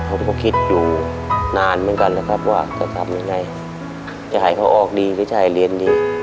ผมก็คิดอยู่นานเหมือนกันแหละครับว่าจะทำยังไงจะให้เขาออกดีพี่ชายเรียนดี